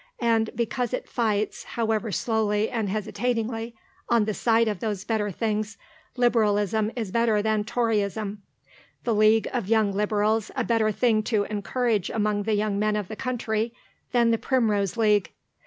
And, because it fights, however slowly and hesitatingly, on the side of those better things, Liberalism is better than Toryism, the League of Young Liberals a better thing to encourage among the young men of the country than the Primrose League.